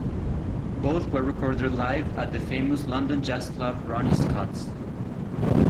Both were recorded live at the famous London jazz club Ronnie Scott's.